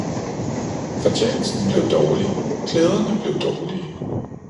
Fortjenesten blev dårlig, klæderne blev dårlige